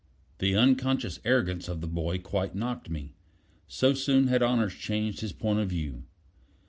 The unconscious arrogance of the boy quite knocked me: so soon had honors changed his point of view.